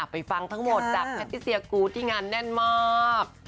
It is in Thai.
ฟังทั้งหมดจากแพทติเซียกูธที่งานแน่นมาก